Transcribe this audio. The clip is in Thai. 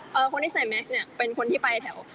คนที่ใส่แม็กซ์เนี่ยเป็นคนที่ไปแถว